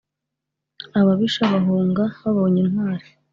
ababisha bahunga, babony’ intwari